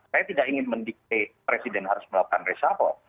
saya tidak ingin mendikte presiden harus melakukan reshuffle